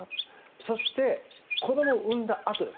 そして子どもを産んだあとです。